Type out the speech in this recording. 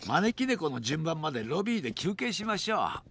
このじゅんばんまでロビーできゅうけいしましょう。